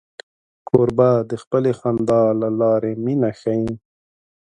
کوربه د خپلې خندا له لارې مینه ښيي.